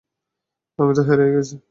আমি তো হেরেই গেছি।